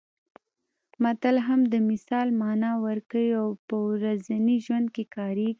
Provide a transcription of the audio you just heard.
متل هم د مثال مانا ورکوي او په ورځني ژوند کې کارېږي